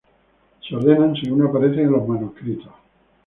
Se ordenan según aparecen en los manuscritos.